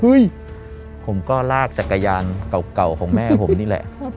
เฮ้ยผมก็ลากจากกายานเก่าเก่าของแม่ผมนี่แหละครับ